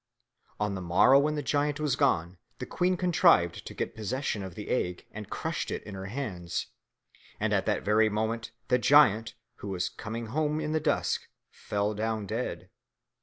On the morrow when the giant was gone, the queen contrived to get possession of the egg and crushed it in her hands, and at that very moment the giant, who was coming home in the dusk, fell down dead.